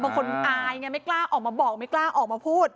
บางคนอายไงไม่กล้าออกมาบอกไม่กล้าออกมาพูด